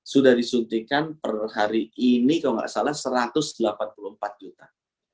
sudah disuntikan per hari ini kalau nggak salah satu ratus delapan puluh empat juta